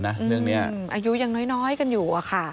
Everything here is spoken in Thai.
อายุยังน้อยกันอยู่ค่ะ